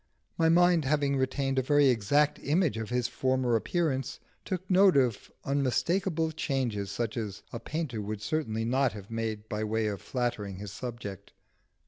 My mind, having retained a very exact image of his former appearance, took note of unmistakeable changes such as a painter would certainly not have made by way of flattering his subject.